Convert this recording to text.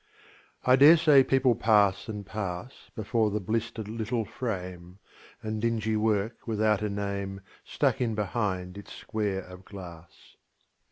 I dare say people pass and pass Before the blistered little frame, And dingy work without a name Stuck in behind its square of glass.